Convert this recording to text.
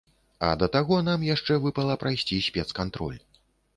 А да таго нам яшчэ выпала прайсці спецкантроль.